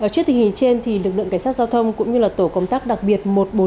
trước tình hình trên lực lượng cảnh sát giao thông cũng như tổ công tác đặc biệt một trăm bốn mươi bốn